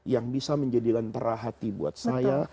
yang bisa menjadi lentera hati buat saya